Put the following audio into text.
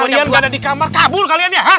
kalian ga ada di kamar kabur kalian ya